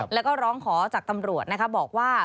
แล้วก็ร้องขอจากตำรวจนะคะบอกว่า